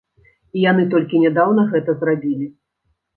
І яны толькі нядаўна гэта зрабілі.